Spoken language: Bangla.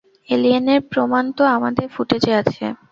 এলিয়েনের প্রমাণ তো আমাদের ফুটেজে আছে।